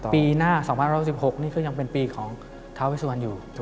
ปีหน้า๒๖๖นี่ก็ยังเป็นปีของท้าเวสุวรรณอยู่